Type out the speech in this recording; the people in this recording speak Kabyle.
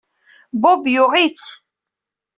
Bob yuɣ-itt.